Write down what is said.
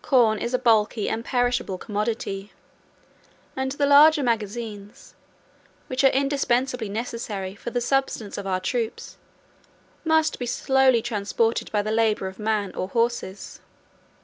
Corn is a bulky and perishable commodity; and the large magazines, which are indispensably necessary for the subsistence of our troops, must be slowly transported by the labor of men or horses.